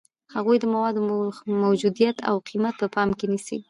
هغوی د موادو موجودیت او قیمت په پام کې نیسي.